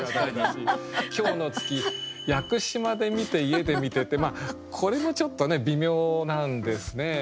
「今日の月屋久島で見て家で見て」ってこれもちょっとね微妙なんですね。